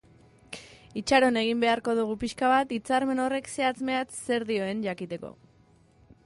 Itxaron egin beharko dugu pixka bat hitzarmen horrek zehatz mehatz zer dioen jakiteko.